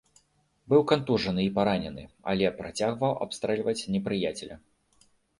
Быў кантужаны і паранены, але працягваў абстрэльваць непрыяцеля.